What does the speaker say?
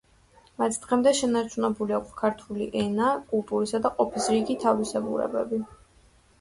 მათ დღემდე შენარჩუნებული აქვთ ქართული ენა, კულტურისა და ყოფის რიგი თავისებურებები.